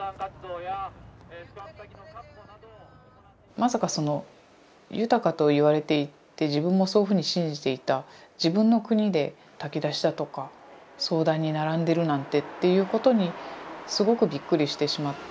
まさかその豊かと言われていて自分もそういうふうに信じていた自分の国で炊き出しだとか相談に並んでるなんてっていうことにすごくびっくりしてしまった。